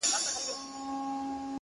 • موږ یې په لمبه کي د زړه زور وینو ,